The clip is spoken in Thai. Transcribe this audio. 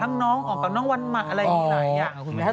อ๋อทั้งน้องอ่ะอ่าน้องว่านมันอะไรหลายอย่าง